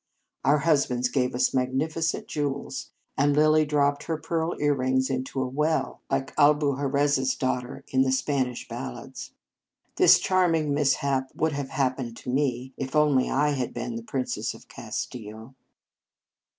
Our husbands gave us magnificent jewels, and Lilly dropped her pearl earrings into a well, like " Albuharez Daugh ter " in the " Spanish Ballads." This charming mishap might have hap pened to me, if only I had been Prin cess of Castile.